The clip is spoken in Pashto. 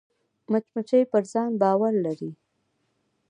مچمچۍ پر ځان باور لري